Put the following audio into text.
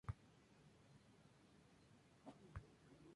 Formaron el "Partido Obrero Socialista".